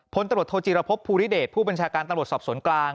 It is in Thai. พลตำรวจโทจีรพบภูริเดชผู้บัญชาการตำรวจสอบสวนกลาง